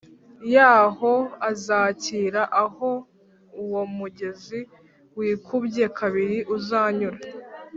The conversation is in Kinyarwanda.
yayo azakira Aho uwo mugezi wikubye kabiri uzanyura